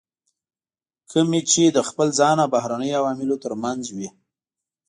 کومې چې د خپل ځان او بهرنیو عواملو ترمنځ وي.